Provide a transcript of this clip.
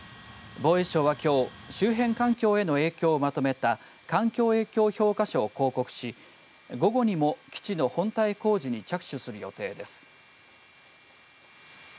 防衛省は、きょう周辺環境への影響をまとめた環境影響評価書を公告し午後にも基地の本体工事に着手する予定です。